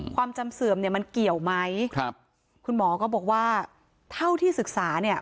ความจำเสื่อมมันเกี่ยวไหมคุณหมอก็บอกว่าเท่าที่ศึกษา